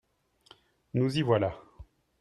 Nous y voilà